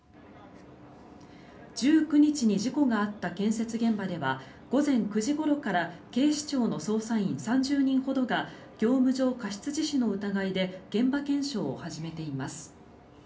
１９日に事故があった建設現場では、午前９時ごろから警視庁の捜査員３０人ほどが業務上過失致死の疑いで現場検証を始めています。